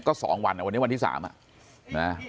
ก็๒วันวันนี้วันที่๓อ่ะนะ